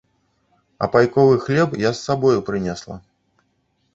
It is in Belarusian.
А пайковы хлеб я з сабою прынесла.